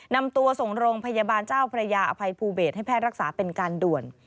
นำตัวส่งโรงพยาบาลเจ้าพระยาอภัยภูเบสให้แพทย์รักษาเป็นการด่วน